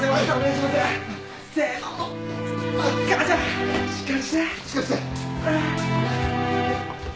しっかりして。